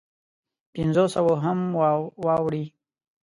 پنځو سوو هم واوړي.